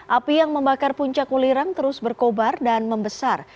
api yang membakar puncak ulirang terus berkobar dan membesar